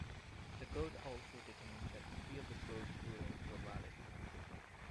The court also determined that three of the Board's rulings were valid.